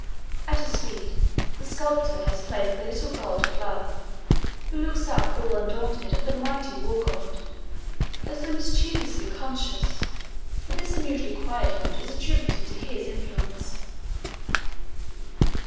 At his feet, the sculptor has placed the little god of love, who looks up all undaunted at the mighty war god, as though mischievously conscious that this unusually quiet mood is attributable to his influence.